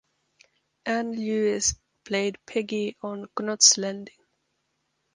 Ann Lewis played Peggy on "Knots Landing".